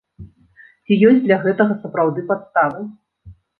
Ці ёсць для гэтага сапраўды падставы?